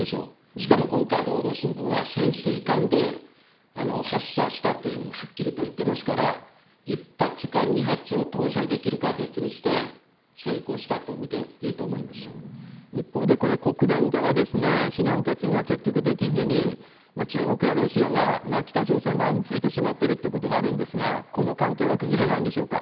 しかも今回、労働新聞は潜水艦で発射したというふうにはっきりと言っていますから、１発か２発を搭載できるかは別にして、成功したと見ていい一方でこれ、国連では非難決議が結局できずに、中国やロシアが北朝鮮側についてしまってるっていうことがあるんですが、この関係は崩れないんでしょうか？